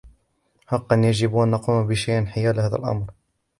حقا ، يجب أن نقوم بشيء حيال هذا الأمر.